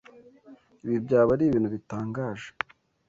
Ibi byaba ari ibintu bitangaje.